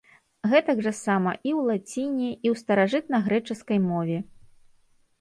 Гэтак жа сама і ў лаціне і ў старажытнагрэчаскай мове.